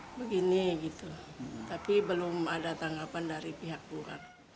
tapi belum ada tanggapan dari pihak buah